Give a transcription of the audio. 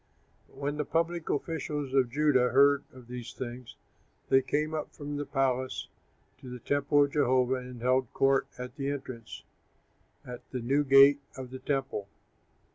But when the public officials of Judah heard of these things, they came up from the palace to the temple of Jehovah and held court at the entrance, at the new gate of the temple.